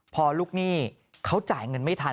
พอลูกหนี้เขาจ่ายเงินไม่ทัน